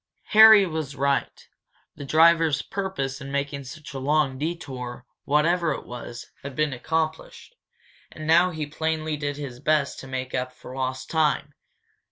Harry was right. The driver's purpose in making such a long detour, whatever it was, had been accomplished. And now he plainly did his best to make up for lost time.